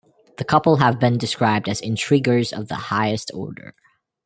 The couple have been described as intriguers of the highest order.